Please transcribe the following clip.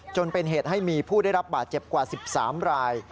จนเป็นเหตุให้มีผู้ได้รับบาดเจ็บกว่า๑๓ราย